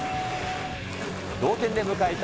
同点で迎えた